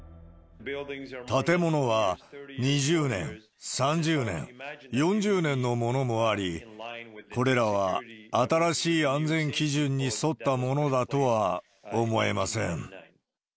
建物は２０年、３０年、４０年のものもあり、これらは新しい安全基準に沿ったものだとは思えません。